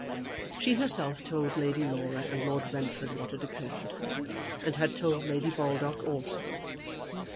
She herself told Lady Laura and Lord Brentford what had occurred, and had told Lady Baldock also.